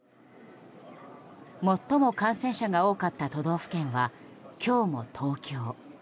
最も感染者が多かった都道府県は今日も東京。